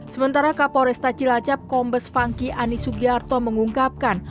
sementara kapolres tachilacap kombes funky ani sugiharto mengungkapkan